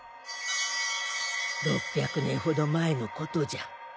６００年ほど前のことじゃ